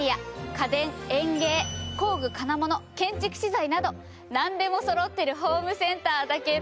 家電園芸工具金物建築資材などなんでもそろってるホームセンターだけど。